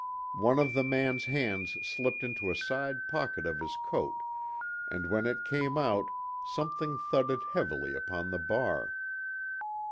One of the man's hands slipped into a side pocket of his coat and when it came out something thudded heavily upon the bar.